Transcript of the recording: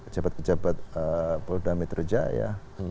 jabat jabat polda metro jaya